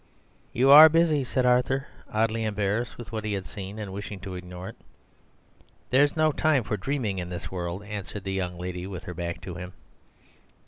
"You are busy," said Arthur, oddly embarrassed with what he had seen, and wishing to ignore it. "There's no time for dreaming in this world," answered the young lady with her back to him.